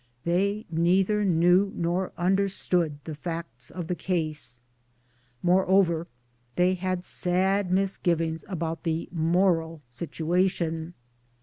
They neither knew nor under stood the facts of the case. Moreover they had sad misgivings about the moral situation.